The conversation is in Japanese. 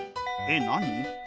えっ何？